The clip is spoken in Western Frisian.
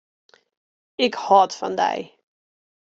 Ik hâld fan dy.